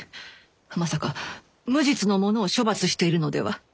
まさか無実の者を処罰しているのでは。